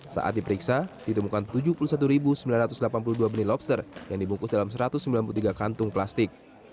saat diperiksa ditemukan tujuh puluh satu sembilan ratus delapan puluh dua benih lobster yang dibungkus dalam satu ratus sembilan puluh tiga kantung plastik